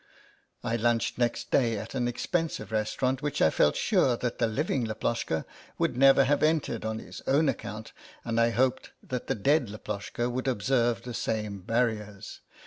I lunched next day at an expensive restaurant which I felt sure that the living Laploshka would never have entered on his own account, and I hoped that the dead Laploshka would observe the same barriers.